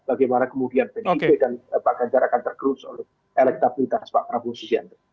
bagaimana kemudian bdip dan pak ganjar akan terkulis oleh elektabilitas pak prabowo subianto